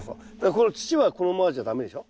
この土はこのままじゃ駄目でしょ。